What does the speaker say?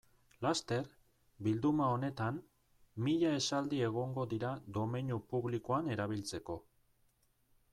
Laster, bilduma honetan, mila esaldi egongo dira domeinu publikoan erabiltzeko.